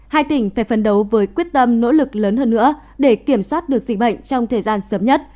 hai tỉnh phải phân đấu với quyết tâm nỗ lực lớn hơn nữa để kiểm soát được dịch bệnh trong thời gian sớm nhất